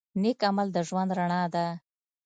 نیک عمل د ژوند رڼا ده.